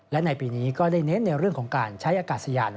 และในปีนี้ก็ได้เน้นในเรื่องของการใช้อากาศยาน